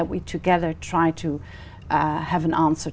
tôi sẵn sàng rồi